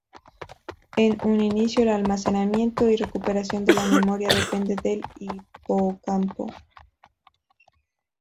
En un inicio, el almacenamiento y recuperación de la memoria dependen del hipocampo.